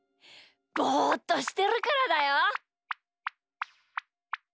ぼっとしてるからだよ。